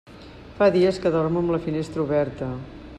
Fa dies que dormo amb la finestra oberta.